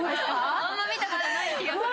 ・あんま見たことない気がする。